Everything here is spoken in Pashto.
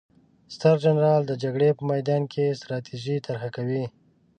ستر جنرال د جګړې په میدان کې ستراتیژي طرحه کوي.